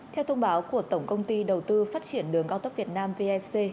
theo thông báo của tổng công ty đầu tư phát triển đường cao tốc việt nam vec